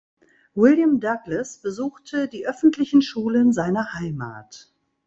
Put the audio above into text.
William Douglas besuchte die öffentlichen Schulen seiner Heimat.